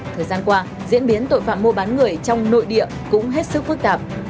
thời gian qua diễn biến tội phạm mua bán người trong nội địa cũng hết sức phức tạp